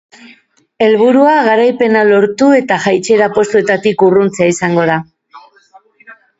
Helburua, garaipena lortu eta jaitsiera postuetatik urruntzea izango da.